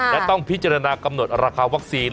และต้องพิจารณากำหนดราคาวัคซีน